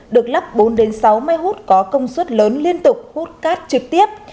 được lắp bốn sáu máy hút có công suất lớn liên tục hút cát trực tiếp